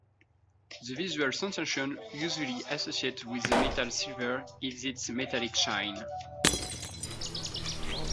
The visual sensation usually associated with the metal silver is its metallic shine.